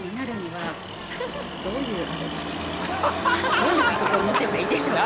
どういう覚悟を持てばいいでしょうか？